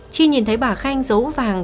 chỉ nhìn thấy bà khánh dấu vàng